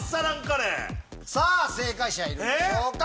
正解者いるんでしょうか⁉